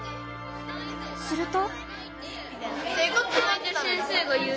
すると。